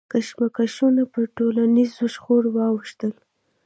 کشمکشونه پر ټولنیزو شخړو واوښتل.